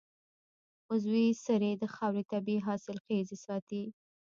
عضوي سرې د خاورې طبعي حاصلخېزي ساتي.